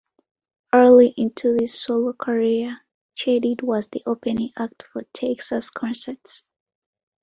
Early into his solo career, Chedid was the opening act for Texas concerts.